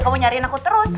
kamu nyariin aku terus